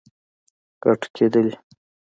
راټوکیدلې